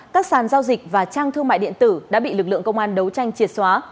các sàn giao dịch và trang thương mại điện tử đã bị lực lượng công an đấu tranh triệt xóa